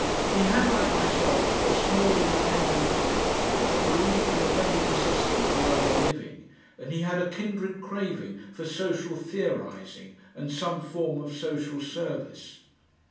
He had, like myself, a small independent income that relieved him of any necessity to earn a living, and he had a kindred craving for social theorising and some form of social service.